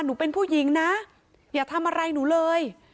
หนูเป็นผู้หญิงนะอย่าทำอะไรหนูเลย